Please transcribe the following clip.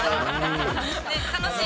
楽しい。